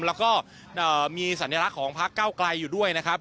แล้วก็มีสัญลักษณ์ของพักเก้าไกลอยู่ด้วยนะครับ